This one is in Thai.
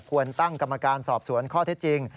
ควรตั้งกรรมการสอบสวนข้อเท็จจริง